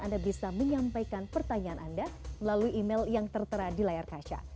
anda bisa menyampaikan pertanyaan anda melalui email yang tertera di layar kaca